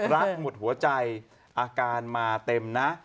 หมดหัวใจอาการมาเต็มนะ